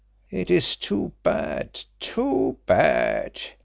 It is too bad too bad!